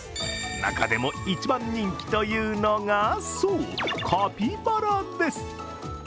中でも一番人気というのがそう、カピバラです。